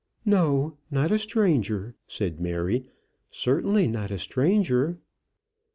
"No, not a stranger," said Mary; "certainly not a stranger."